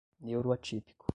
neuroatípico